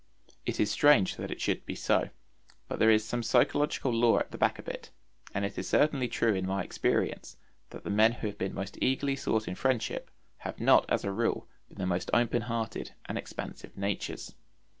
It is strange that it should be so, but there is some psychological law at the back of it; and it is certainly true in my experience that the men who have been most eagerly sought in friendship have not as a rule been the most open hearted and expansive natures.